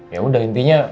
ya udah intinya